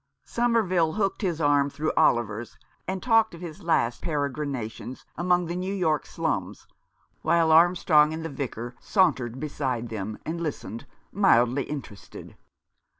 Somerville hooked his arm through Oliver's, and talked of his last peregrinations among the New York slums, while Armstrong and the vicar sauntered beside them and listened, mildly interested.